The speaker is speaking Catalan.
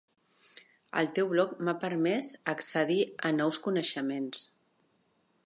El teu bloc m'ha permès accedir a nous coneixements.